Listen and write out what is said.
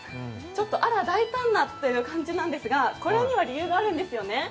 あら大胆なという感じなんですがこれには理由があるんですよね。